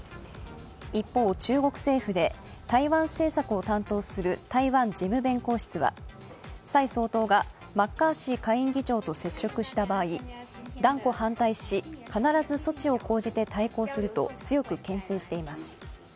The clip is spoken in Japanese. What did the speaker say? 一方、中国政府で台湾政策を担当する台湾事務弁公室は蔡総統がマッカーシー下院議長と接触した場合断固反対し、必ず措置を講じて対抗すると強くけん制しています。